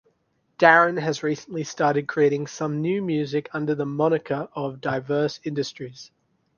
Darren has recently started creating some new music under the moniker of Diverse Industries.